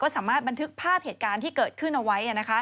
สามารถบันทึกภาพเหตุการณ์ที่เกิดขึ้นเอาไว้